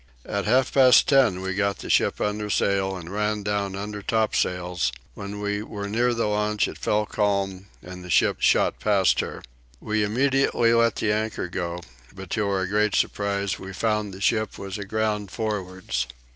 At half past ten we got the ship under sail and ran down under top sails: when we were near the launch it fell calm and the ship shot past her. We immediately let the anchor go but to our great surprise we found the ship was aground forwards.